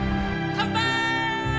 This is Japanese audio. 乾杯！